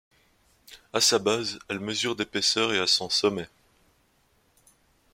À sa base, elle mesure d'épaisseur et à son sommet.